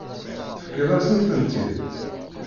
Tefkiḍ-asen-tent-id.